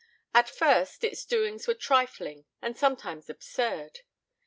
At first its doings were trifling and sometimes absurd.